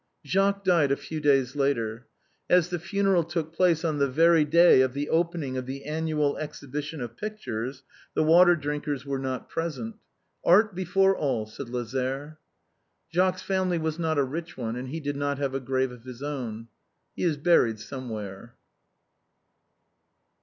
Jacques died a few days later. As the funeral took place on the very day of the opening of the annual exhibition of pictures, the Water drinkers were not present. " Art be fore all/' said Lazare. Jacques's family was not a rich one^ and he did not have a grave of his own. He is buried somewhere.